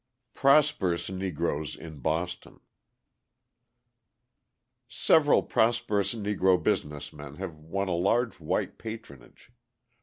Prosperous Negroes in Boston Several prosperous Negro business men have won a large white patronage.